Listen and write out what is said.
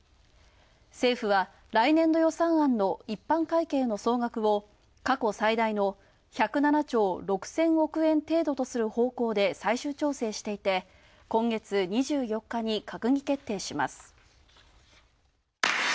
政府は来年度予算案の一般会計を過去最大の１０７兆６０００億円程度とする方向で最終調整していて、今月２４日に閣議決定します。